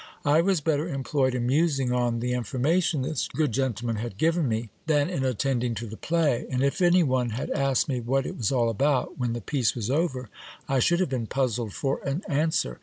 I was better employed in musing on the information this good gentleman had given me, than in attend ing to the play ; and if any one had asked me what it was all about, when the piece was over, I should have been puzzled for an answer.